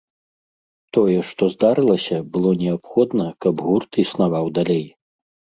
Тое, што здарылася, было неабходна, каб гурт існаваў далей.